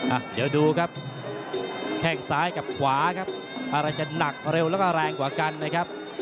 อ่ะเดี๋ยวดูครับแข้งซ้ายกับขวาครับอะไรจะหนักเร็วแล้วก็แรงกว่ากันนะครับ